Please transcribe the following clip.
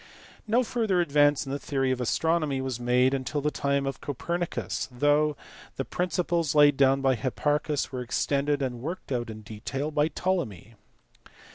No further advance in the theory of astronomy was made until the time of Copernicus, though the principles laid down by Hipparchus were extended and worked out in detail by Ptolemy.